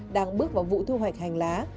đang bước vào vụ thu hoạch hành lá